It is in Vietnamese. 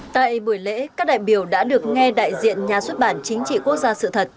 tại buổi lễ các đại biểu đã được nghe đại diện nhà xuất bản chính trị quốc gia sự thật